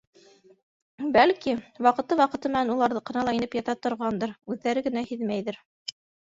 Бәлки, ваҡыты-ваҡыты менән уларҙыҡына ла инеп ята торғандыр, үҙҙәре генә һиҙмәйҙер.